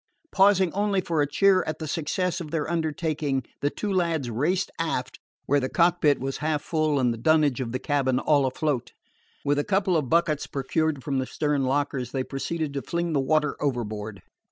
Pausing only for a cheer at the success of their undertaking, the two lads raced aft, where the cockpit was half full and the dunnage of the cabin all afloat. With a couple of buckets procured from the stern lockers, they proceeded to fling the water overboard.